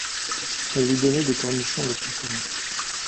Elle lui donnait des cornichons, le plus souvent.